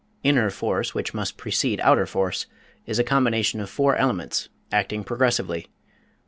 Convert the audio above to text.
Inner force, which must precede outer force, is a combination of four elements, acting progressively.